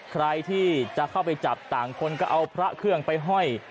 ใครที่จะเข้าไปจับต่างคนก็เอาพระเครื่องไปห้อย